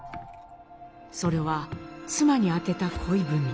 それは妻に宛てた恋文。